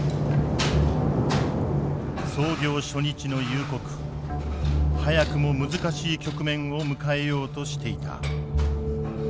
操業初日の夕刻早くも難しい局面を迎えようとしていた。